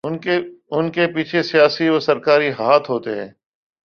انکے پیچھے سیاسی و سرکاری ہاتھ ہوتے ہیں